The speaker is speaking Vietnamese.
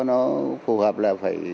nó phù hợp là phải